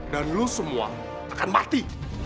dan lu semua akan mati